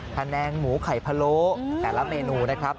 แนงหมูไข่พะโล้แต่ละเมนูนะครับ